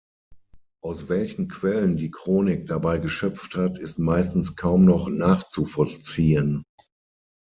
Aus welchen Quellen die Chronik dabei geschöpft hat, ist meistens kaum noch nachzuvollziehen.